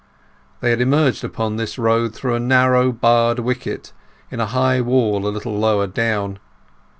They had emerged upon this road through a narrow, barred wicket in a high wall a little lower down.